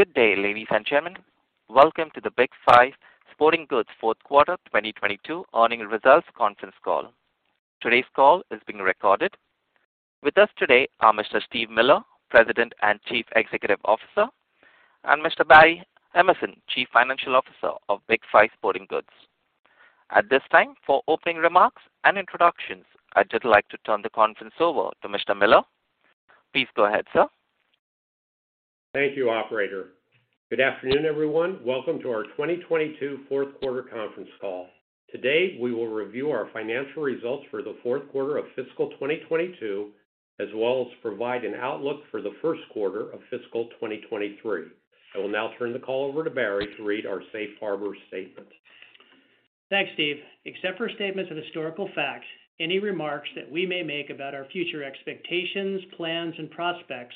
Good day, ladies and gentlemen. Welcome to the Big 5 Sporting Goods fourth quarter 2022 earnings results conference call. Today's call is being recorded. With us today are Mr. Steve Miller, President and Chief Executive Officer, and Mr. Barry Emerson, Chief Financial Officer of Big 5 Sporting Goods. At this time, for opening remarks and introductions, I'd just like to turn the conference over to Mr. Miller. Please go ahead, sir. Thank you, operator. Good afternoon, everyone. Welcome to our 2022 fourth quarter conference call. Today, we will review our financial results for the fourth quarter of fiscal 2022, as well as provide an outlook for the first quarter of fiscal 2023. I will now turn the call over to Barry to read our safe harbor statement. Thanks, Steve. Except for statements of historical facts, any remarks that we may make about our future expectations, plans, and prospects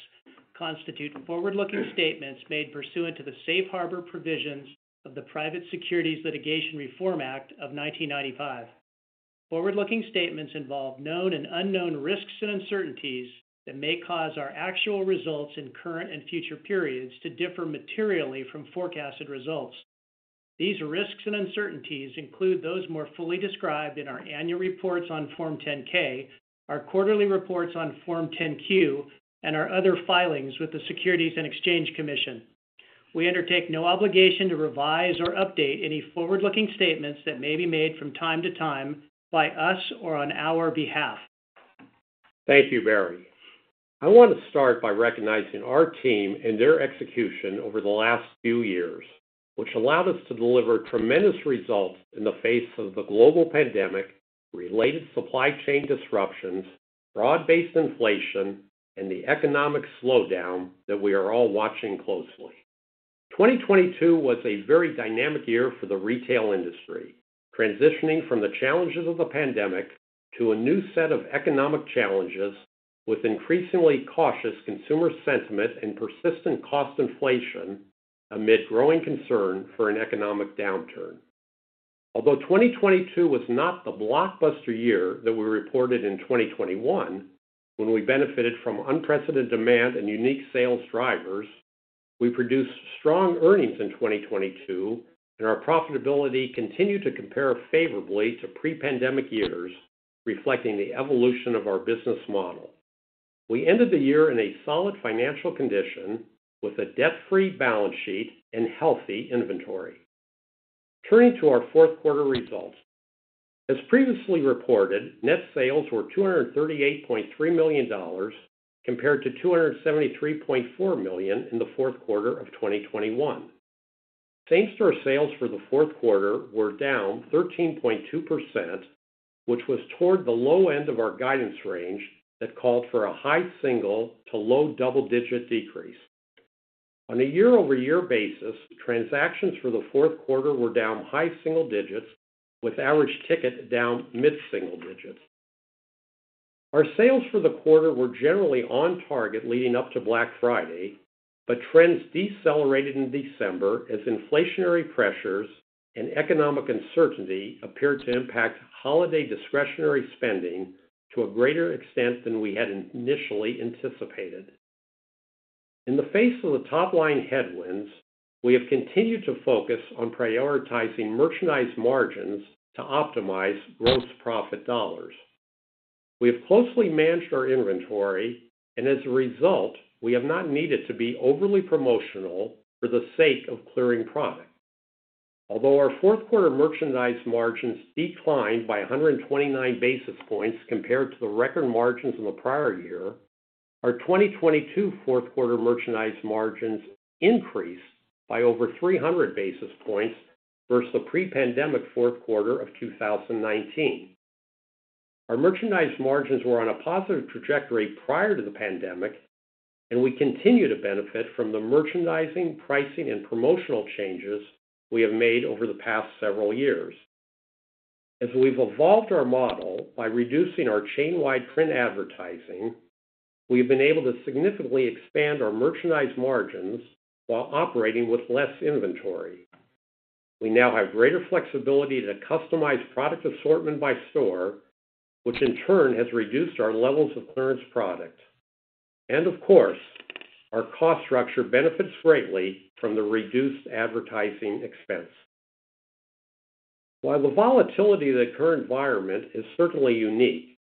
constitute forward-looking statements made pursuant to the Safe Harbor provisions of the Private Securities Litigation Reform Act of 1995. Forward-looking statements involve known and unknown risks and uncertainties that may cause our actual results in current and future periods to differ materially from forecasted results. These risks and uncertainties include those more fully described in our annual reports on Form 10-K, our quarterly reports on Form 10-Q, and our other filings with the Securities and Exchange Commission. We undertake no obligation to revise or update any forward-looking statements that may be made from time to time by us or on our behalf. Thank you, Barry. I want to start by recognizing our team and their execution over the last few years, which allowed us to deliver tremendous results in the face of the global pandemic, related supply chain disruptions, broad-based inflation, and the economic slowdown that we are all watching closely. 2022 was a very dynamic year for the retail industry, transitioning from the challenges of the pandemic to a new set of economic challenges with increasingly cautious consumer sentiment and persistent cost inflation amid growing concern for an economic downturn. Although 2022 was not the blockbuster year that we reported in 2021, when we benefited from unprecedented demand and unique sales drivers, we produced strong earnings in 2022, and our profitability continued to compare favorably to pre-pandemic years, reflecting the evolution of our business model. We ended the year in a solid financial condition with a debt-free balance sheet and healthy inventory. Turning to our fourth quarter results. As previously reported, net sales were $238.3 million compared to $273.4 million in the fourth quarter of 2021. Same-store sales for the fourth quarter were down 13.2%, which was toward the low end of our guidance range that called for a high single to low double-digit decrease. On a year-over-year basis, transactions for the fourth quarter were down high single digits with average ticket down mid-single digits. Our sales for the quarter were generally on target leading up to Black Friday, but trends decelerated in December as inflationary pressures and economic uncertainty appeared to impact holiday discretionary spending to a greater extent than we had initially anticipated. In the face of the top-line headwinds, we have continued to focus on prioritizing merchandise margins to optimize gross profit dollars. We have closely managed our inventory. As a result, we have not needed to be overly promotional for the sake of clearing product. Although our fourth quarter merchandise margins declined by 129 basis points compared to the record margins in the prior year, our 2022 fourth quarter merchandise margins increased by over 300 basis points versus the pre-pandemic fourth quarter of 2019. Our merchandise margins were on a positive trajectory prior to the pandemic. We continue to benefit from the merchandising, pricing, and promotional changes we have made over the past several years. As we've evolved our model by reducing our chain-wide print advertising, we've been able to significantly expand our merchandise margins while operating with less inventory. We now have greater flexibility to customize product assortment by store, which in turn has reduced our levels of clearance product. Of course, our cost structure benefits greatly from the reduced advertising expense. While the volatility of the current environment is certainly unique,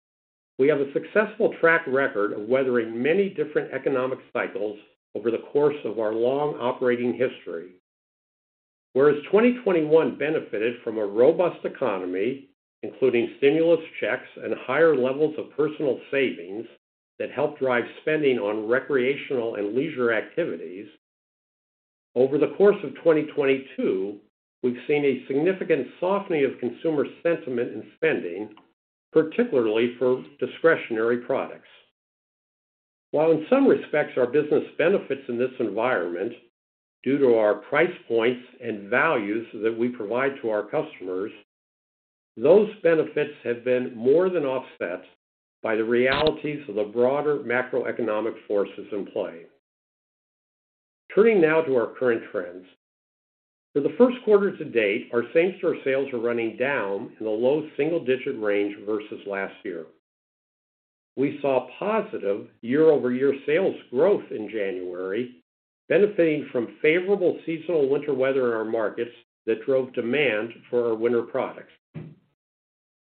we have a successful track record of weathering many different economic cycles over the course of our long operating history. Whereas 2021 benefited from a robust economy, including stimulus checks and higher levels of personal savings that helped drive spending on recreational and leisure activities, over the course of 2022, we've seen a significant softening of consumer sentiment and spending, particularly for discretionary products. While in some respects our business benefits in this environment due to our price points and values that we provide to our customers, those benefits have been more than offset by the realities of the broader macroeconomic forces in play. Turning now to our current trends. For the first quarter to date, our same-store sales are running down in the low single-digit range versus last year. We saw positive year-over-year sales growth in January, benefiting from favorable seasonal winter weather in our markets that drove demand for our winter products.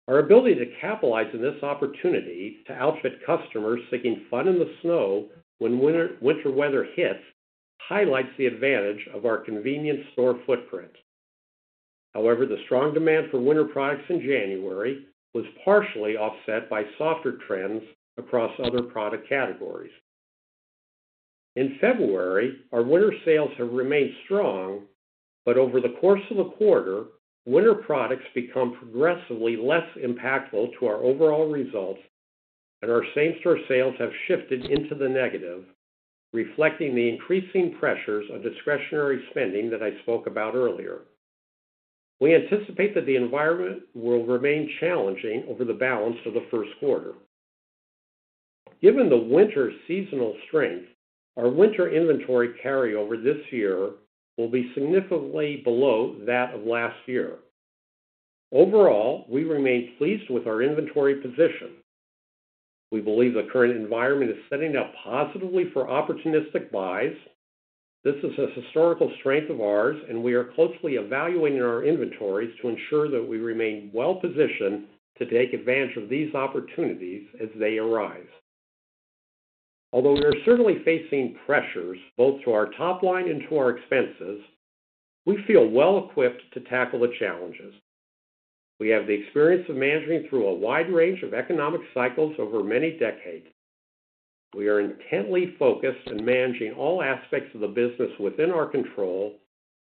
Our ability to capitalize on this opportunity to outfit customers seeking fun in the snow when winter weather hits highlights the advantage of our convenient store footprint. However, the strong demand for winter products in January was partially offset by softer trends across other product categories. In February, our winter sales have remained strong, but over the course of the quarter, winter products become progressively less impactful to our overall results, and our same-store sales have shifted into the negative, reflecting the increasing pressures of discretionary spending that I spoke about earlier. We anticipate that the environment will remain challenging over the balance of the first quarter. Given the winter seasonal strength, our winter inventory carryover this year will be significantly below that of last year. Overall, we remain pleased with our inventory position. We believe the current environment is setting up positively for opportunistic buys. This is a historical strength of ours, and we are closely evaluating our inventories to ensure that we remain well-positioned to take advantage of these opportunities as they arise. Although we are certainly facing pressures, both to our top line and to our expenses, we feel well-equipped to tackle the challenges. We have the experience of managing through a wide range of economic cycles over many decades. We are intently focused on managing all aspects of the business within our control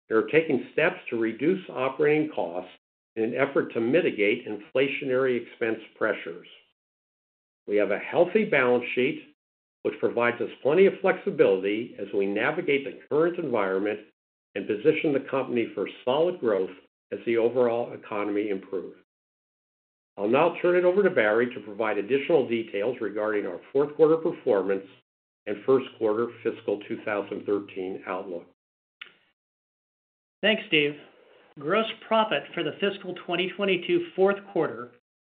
and are taking steps to reduce operating costs in an effort to mitigate inflationary expense pressures. We have a healthy balance sheet, which provides us plenty of flexibility as we navigate the current environment and position the company for solid growth as the overall economy improves. I'll now turn it over to Barry to provide additional details regarding our fourth quarter performance and first quarter fiscal 2023 outlook. Thanks, Steve. Gross profit for the fiscal 2022 fourth quarter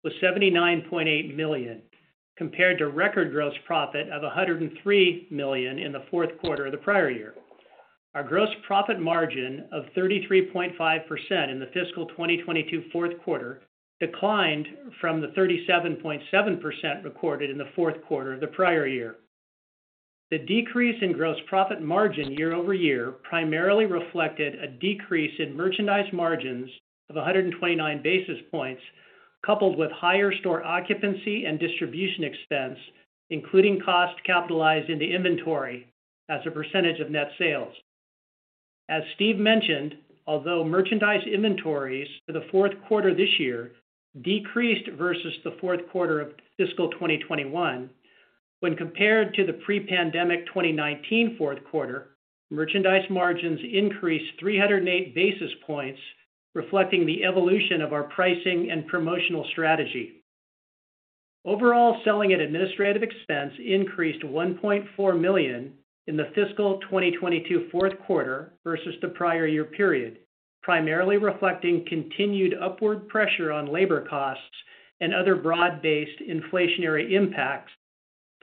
was $79.8 million, compared to record gross profit of $103 million in the fourth quarter of the prior year. Our gross profit margin of 33.5% in the fiscal 2022 fourth quarter declined from the 37.7% recorded in the fourth quarter of the prior year. The decrease in gross profit margin year-over-year primarily reflected a decrease in merchandise margins of 129 basis points, coupled with higher store occupancy and distribution expense, including cost capitalized into inventory as a percentage of net sales. As Steve mentioned, although merchandise inventories for the fourth quarter this year decreased versus the fourth quarter of fiscal 2021, when compared to the pre-pandemic 2019 fourth quarter, merchandise margins increased 308 basis points, reflecting the evolution of our pricing and promotional strategy. Overall, selling and administrative expense increased $1.4 million in the fiscal 2022 fourth quarter versus the prior year period, primarily reflecting continued upward pressure on labor costs and other broad-based inflationary impacts,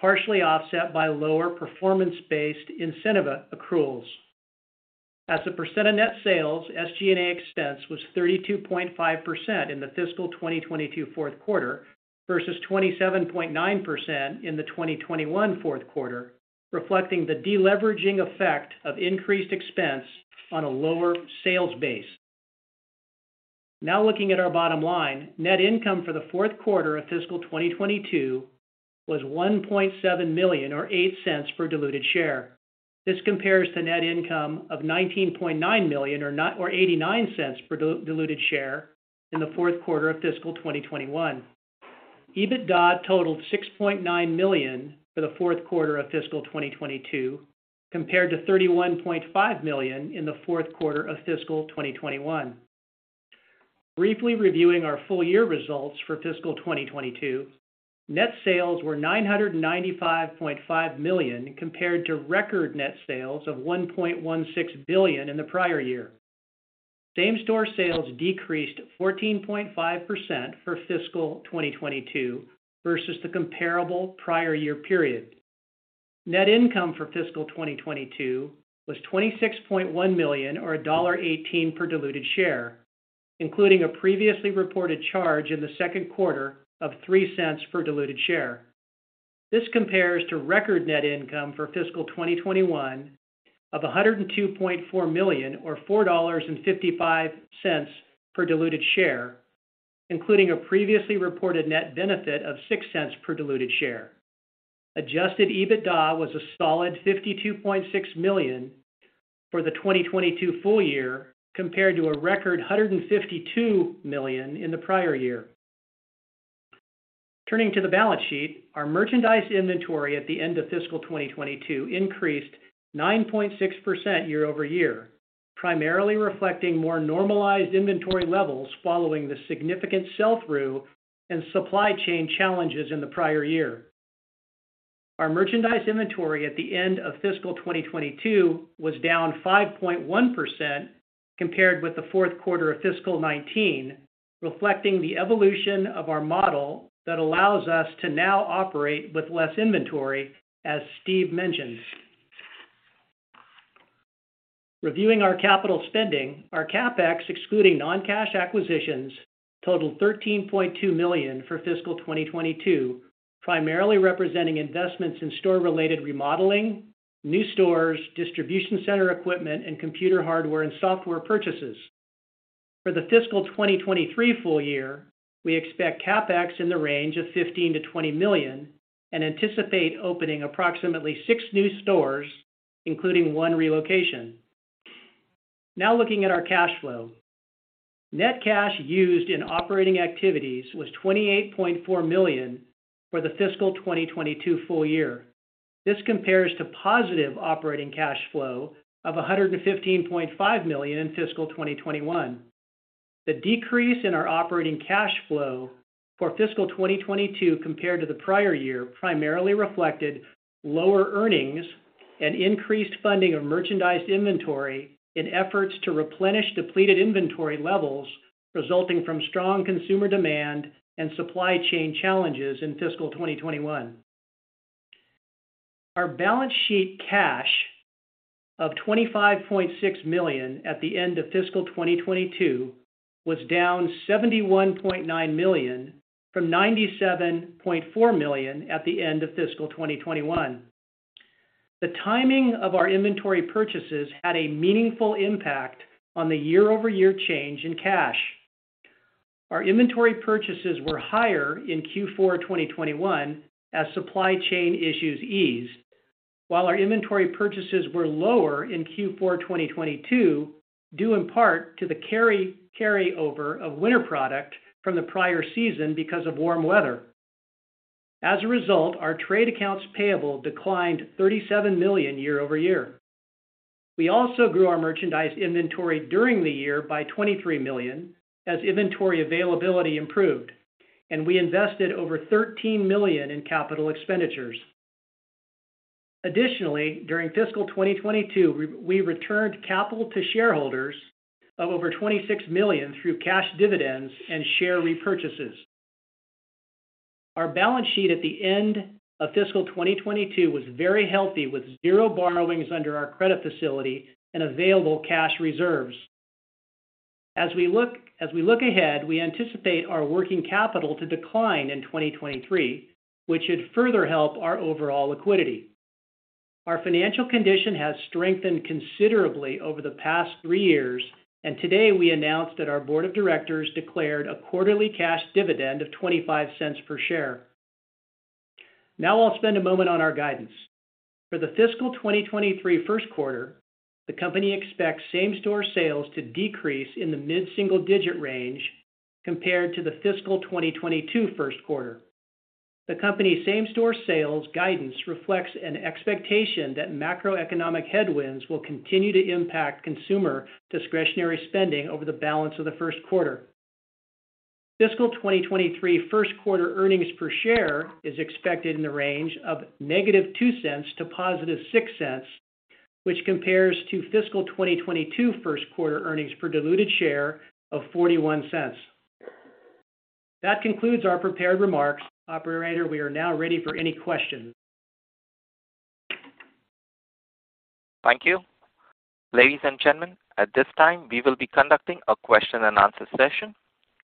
partially offset by lower performance-based incentive accruals. As a percent of net sales, SG&A expense was 32.5% in the fiscal 2022 fourth quarter versus 27.9% in the 2021 fourth quarter, reflecting the deleveraging effect of increased expense on a lower sales base. Now looking at our bottom line, net income for the fourth quarter of fiscal 2022 was $1.7 million, or $0.08 per diluted share. This compares to net income of $19.9 million, or $0.89 per diluted share in the fourth quarter of fiscal 2021. EBITDA totaled $6.9 million for the fourth quarter of fiscal 2022, compared to $31.5 million in the fourth quarter of fiscal 2021. Briefly reviewing our full year results for fiscal 2022, net sales were $995.5 million compared to record net sales of $1.16 billion in the prior year. Same-store sales decreased 14.5% for fiscal 2022 versus the comparable prior year period. Net income for fiscal 2022 was $26.1 million, or $1.18 per diluted share, including a previously reported charge in the second quarter of $0.03 per diluted share. This compares to record net income for fiscal 2021 of $102.4 million, or $4.55 per diluted share, including a previously reported net benefit of $0.06 per diluted share. Adjusted EBITDA was a solid $52.6 million for the 2022 full year compared to a record $152 million in the prior year. Turning to the balance sheet, our merchandise inventory at the end of fiscal 2022 increased 9.6% year-over-year, primarily reflecting more normalized inventory levels following the significant sell-through and supply chain challenges in the prior year. Our merchandise inventory at the end of fiscal 2022 was down 5.1% compared with the fourth quarter of fiscal 2019, reflecting the evolution of our model that allows us to now operate with less inventory, as Steve mentioned. Reviewing our capital spending, our CapEx, excluding non-cash acquisitions, totaled $13.2 million for fiscal 2022, primarily representing investments in store-related remodeling, new stores, distribution center equipment, and computer hardware and software purchases. For the fiscal 2023 full year, we expect CapEx in the range of $15 million-$20 million and anticipate opening approximately six new stores, including one relocation. Now looking at our cash flow. Net cash used in operating activities was $28.4 million for the fiscal 2022 full year. This compares to positive operating cash flow of $115.5 million in fiscal 2021. The decrease in our operating cash flow for fiscal 2022 compared to the prior year primarily reflected lower earnings and increased funding of merchandise inventory in efforts to replenish depleted inventory levels resulting from strong consumer demand and supply chain challenges in fiscal 2021. Our balance sheet cash of $25.6 million at the end of fiscal 2022 was down $71.9 million from $97.4 million at the end of fiscal 2021. The timing of our inventory purchases had a meaningful impact on the year-over-year change in cash. Our inventory purchases were higher in Q4, 2021 as supply chain issues eased. While our inventory purchases were lower in Q4 2022, due in part to the carryover of winter product from the prior season because of warm weather. As a result, our trade accounts payable declined $37 million year-over-year. We also grew our merchandise inventory during the year by $23 million as inventory availability improved, and we invested over $13 million in CapEx. Additionally, during fiscal 2022, we returned capital to shareholders of over $26 million through cash dividends and share repurchases. Our balance sheet at the end of fiscal 2022 was very healthy, with zero borrowings under our credit facility and available cash reserves. As we look ahead, we anticipate our working capital to decline in 2023, which should further help our overall liquidity. Our financial condition has strengthened considerably over the past three years, and today we announced that our Board of Directors declared a quarterly cash dividend of $0.25 per share. I'll spend a moment on our guidance. For the fiscal 2023 first quarter, the company expects same-store sales to decrease in the mid-single digit range compared to the fiscal 2022 first quarter. The company's same-store sales guidance reflects an expectation that macroeconomic headwinds will continue to impact consumer discretionary spending over the balance of the first quarter. Fiscal 2023 first quarter earnings per share is expected in the range of -$0.02 to $0.06, which compares to fiscal 2022 first quarter earnings per diluted share of $0.41. That concludes our prepared remarks. Operator, we are now ready for any questions. Thank you. Ladies and gentlemen, at this time, we will be conducting a question-and-answer session.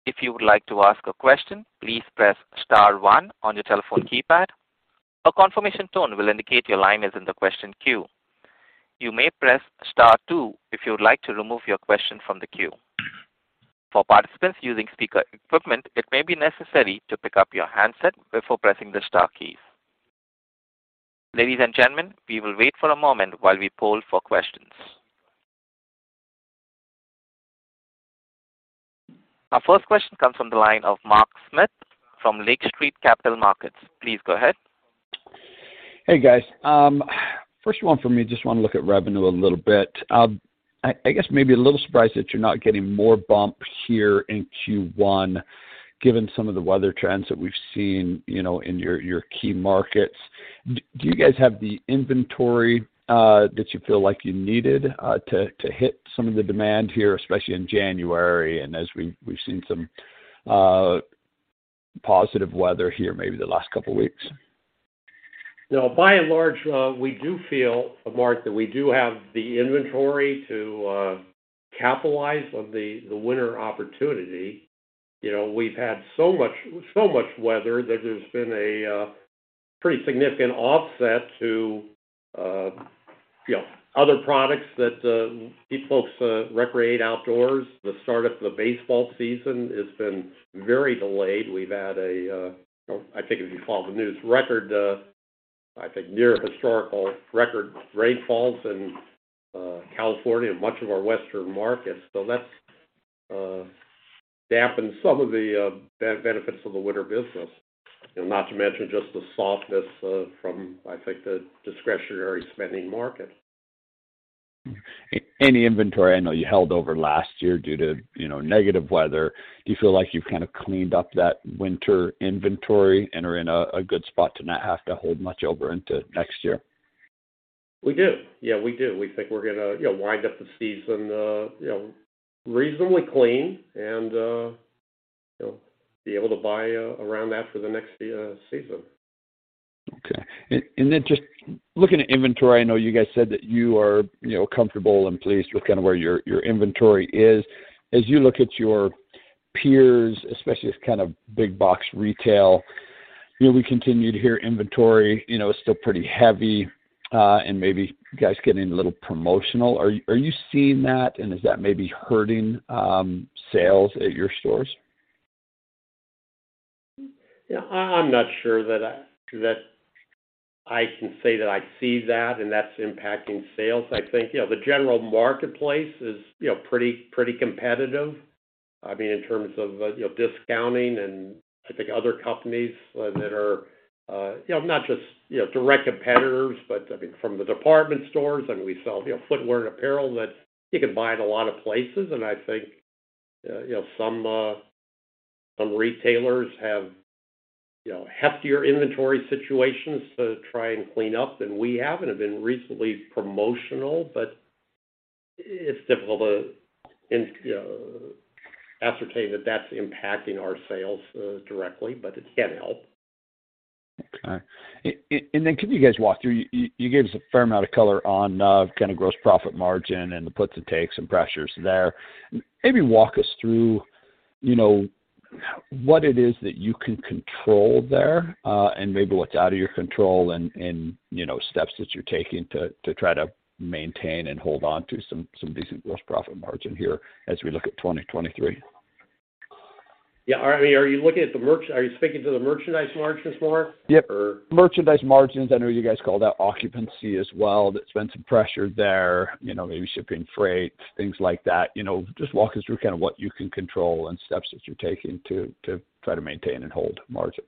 If you would like to ask a question, please press star one on your telephone keypad. A confirmation tone will indicate your line is in the question queue. You may press star two if you would like to remove your question from the queue. For participants using speaker equipment, it may be necessary to pick up your handset before pressing the star key. Ladies and gentlemen, we will wait for a moment while we poll for questions. Our first question comes from the line of Mark Smith from Lake Street Capital Markets. Please go ahead. Hey, guys. First one for me, just wanna look at revenue a little bit. I guess maybe a little surprised that you're not getting more bumps here in Q1, given some of the weather trends that we've seen, you know, in your key markets. Do you guys have the inventory that you feel like you needed to hit some of the demand here, especially in January and as we've seen some positive weather here maybe the last couple weeks? You know, by and large, we do feel, Mark, that we do have the inventory to capitalize on the winter opportunity. You know, we've had so much weather that there's been a pretty significant offset to, you know, other products that folks recreate outdoors. The start of the baseball season has been very delayed. We've had a, I think if you follow the news, record, I think near historical record rainfalls in California and much of our Western markets. That's dampened some of the benefits of the winter business. You know, not to mention just the softness, from, I think, the discretionary spending market. Any inventory I know you held over last year due to, you know, negative weather, do you feel like you've kind of cleaned up that winter inventory and are in a good spot to not have to hold much over into next year? We do. Yeah, we do. We think we're gonna, you know, wind up the season, you know, reasonably clean and, you know, be able to buy around that for the next season. Okay. Then just looking at inventory, I know you guys said that you are, you know, comfortable and pleased with kind of where your inventory is. As you look at your peers, especially as kind of big box retail, you know, we continue to hear inventory, you know, is still pretty heavy, and maybe you guys getting a little promotional. Are you seeing that? Is that maybe hurting sales at your stores? Yeah. I'm not sure that I can say that I see that and that's impacting sales. I think, you know, the general marketplace is, you know, pretty competitive, I mean, in terms of, you know, discounting and I think other companies that are, you know, not just, you know, direct competitors, but I mean from the department stores. I mean, we sell, you know, footwear and apparel that you can buy at a lot of places. I think, you know, some retailers have, you know, heftier inventory situations to try and clean up than we have and have been reasonably promotional. It's difficult to ascertain that that's impacting our sales directly, but it can't help. Okay. Can you guys walk through? You gave us a fair amount of color on kind of gross profit margin and the puts and takes and pressures there. Maybe walk us through, you know, what it is that you can control there and maybe what's out of your control and, you know, steps that you're taking to try to maintain and hold on to some decent gross profit margin here as we look at 2023. Yeah. I mean, are you looking at the merchandise margins more? Yep. Merchandise margins. I know you guys call that occupancy as well. There's been some pressure there, you know, maybe shipping freight, things like that. You know, just walk us through kind of what you can control and steps that you're taking to try to maintain and hold margin.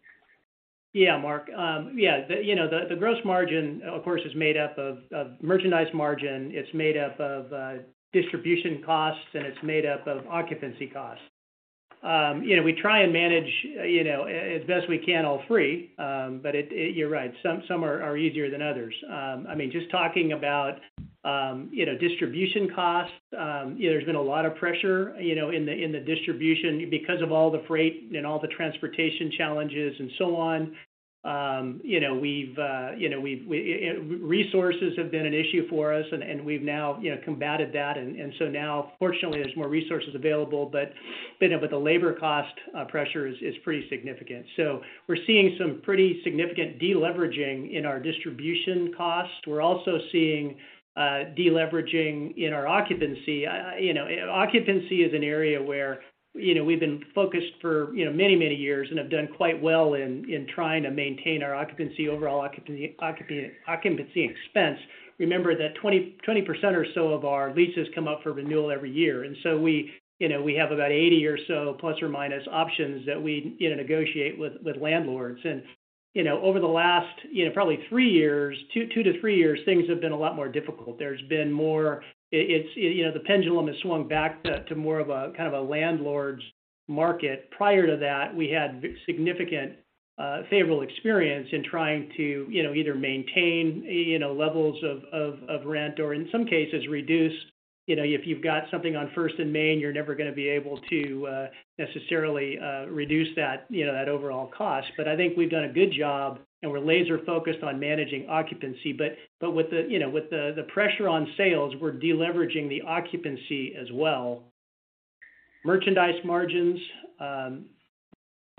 Yeah, Mark. Yeah. You know, the gross margin, of course, is made up of merchandise margin, it's made up of distribution costs, and it's made up of occupancy costs. You know, we try and manage, you know, as best we can all three, but You're right, some are easier than others. I mean, just talking about, you know, distribution costs, you know, there's been a lot of pressure, you know, in the distribution because of all the freight and all the transportation challenges and so on. You know, we've, you know, resources have been an issue for us and we've now, you know, combated that. Now fortunately there's more resources available, but, you know, the labor cost pressure is pretty significant. We're seeing some pretty significant de-leveraging in our distribution costs. We're also seeing de-leveraging in our occupancy. You know, occupancy is an area where, you know, we've been focused for, you know, many, many years and have done quite well in trying to maintain our occupancy, overall occupancy expense. Remember that 20% or so of our leases come up for renewal every year, we, you know, we have about 80 or so plus or minus options that we, you know, negotiate with landlords. You know, over the last, you know, probably three years, two to three years, things have been a lot more difficult. There's been more. It's. You know, the pendulum has swung back to more of a kind of a landlord's market. Prior to that, we had significant favorable experience in trying to, you know, either maintain, you know, levels of, of rent or in some cases reduce. You know, if you've got something on First and Main, you're never gonna be able to, necessarily, reduce that, you know, that overall cost. I think we've done a good job, and we're laser focused on managing occupancy, but with the, you know, with the pressure on sales, we're de-leveraging the occupancy as well. Merchandise margins...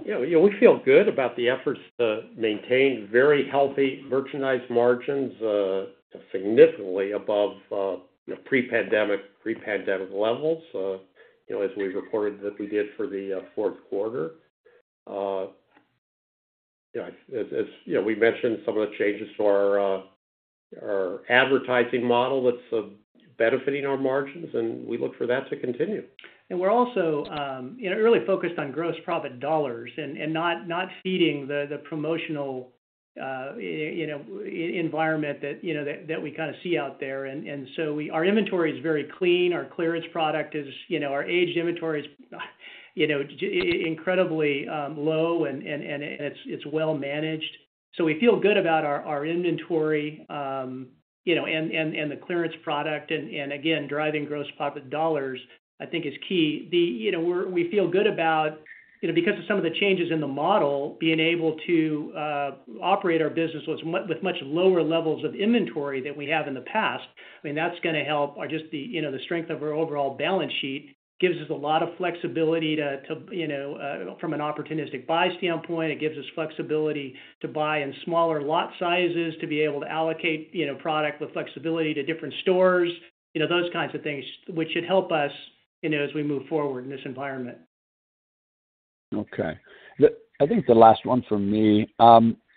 You know, we feel good about the efforts to maintain very healthy merchandise margins, significantly above pre-pandemic levels, you know, as we reported that we did for the fourth quarter. You know, as we mentioned some of the changes to our advertising model that's benefiting our margins, and we look for that to continue. We're also, you know, really focused on gross profit dollars and not feeding the promotional, you know, environment that, you know, that we kind of see out there. Our inventory is very clean. Our clearance product is. You know, our aged inventory is, you know, incredibly low and it's well managed. We feel good about our inventory, you know, and the clearance product. Again, driving gross profit dollars I think is key. We feel good about, you know, because of some of the changes in the model, being able to operate our business with much lower levels of inventory than we have in the past. I mean, that's gonna help just the, you know, the strength of our overall balance sheet. Gives us a lot of flexibility to, you know, from an opportunistic buy standpoint, it gives us flexibility to buy in smaller lot sizes, to be able to allocate, you know, product with flexibility to different stores, you know, those kinds of things, which should help us, you know, as we move forward in this environment. Okay. I think the last one from me,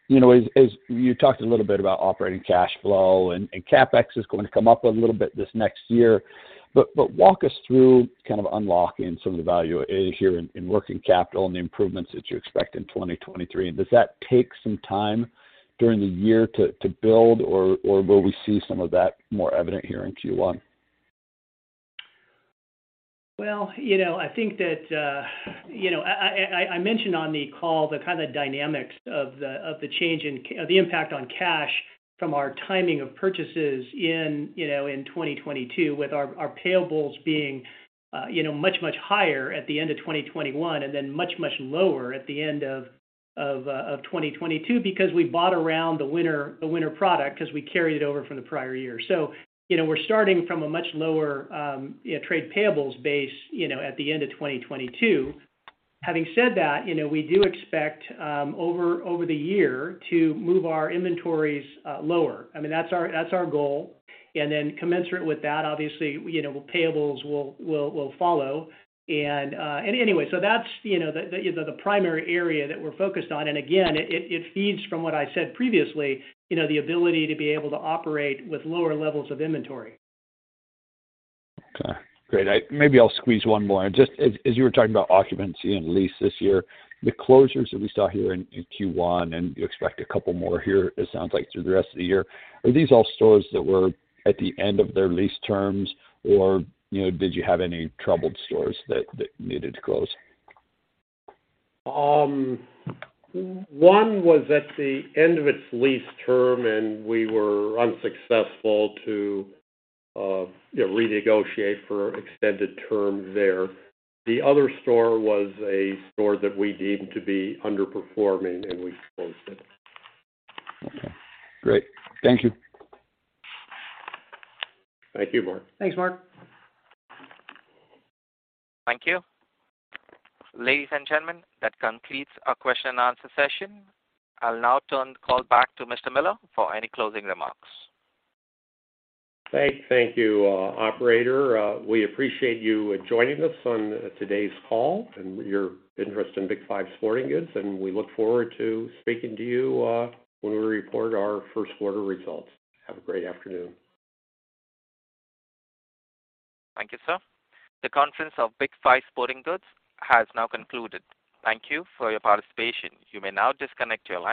you know, is you talked a little bit about operating cash flow and CapEx is going to come up a little bit this next year. Walk us through kind of unlocking some of the value here in working capital and the improvements that you expect in 2023. Does that take some time during the year to build, or will we see some of that more evident here in Q1? Well, you know, I think that, you know, I, I mentioned on the call the kind of dynamics of the change in the impact on cash from our timing of purchases in, you know, in 2022 with our payables being, you know, much, much higher at the end of 2021 and then much, much lower at the end of 2022 because we bought around the winter, the winter product 'cause we carried over from the prior year. You know, we're starting from a much lower, trade payables base, you know, at the end of 2022. Having said that, you know, we do expect, over the year to move our inventories lower. I mean, that's our, that's our goal. Commensurate with that, obviously, you know, payables will follow. Anyway, so that's, you know, the primary area that we're focused on. Again, it, it feeds from what I said previously, you know, the ability to be able to operate with lower levels of inventory. Okay, great. Maybe I'll squeeze one more. Just as you were talking about occupancy and lease this year, the closures that we saw here in Q1, and you expect a couple more here, it sounds like through the rest of the year. Are these all stores that were at the end of their lease terms or, you know, did you have any troubled stores that needed to close? One was at the end of its lease term, and we were unsuccessful to, you know, renegotiate for extended terms there. The other store was a store that we deemed to be underperforming, and we closed it. Okay, great. Thank you. Thank you, Mark. Thanks, Mark. Thank you. Ladies and gentlemen, that completes our question-and-answer session. I'll now turn the call back to Mr. Miller for any closing remarks. Thank you, operator. We appreciate you joining us on today's call and your interest in Big 5 Sporting Goods, and we look forward to speaking to you when we report our first quarter results. Have a great afternoon. Thank you, sir. The conference of Big 5 Sporting Goods has now concluded. Thank you for your participation. You may now disconnect your line.